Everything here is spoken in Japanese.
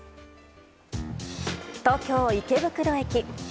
東京・池袋駅。